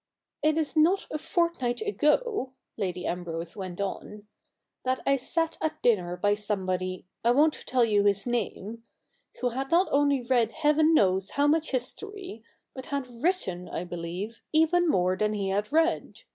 'It is not a fortnight ago,' Lady Ambrose went on, ' that I sat at dinner by somebody — I won't tell you his name — who had not only read heaven knows how much history, but had written, I believe, even more than he had read.